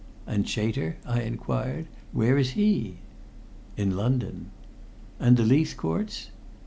"And Chater?" I inquired; "where is he?" "In London." "And the Leithcourts?"